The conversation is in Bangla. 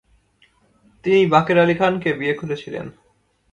তিনি বাকের আলী খানকে বিয়ে করেছিলেন